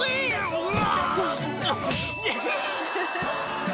「うわ！」